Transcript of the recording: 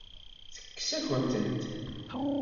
Tekkes-akent-tent.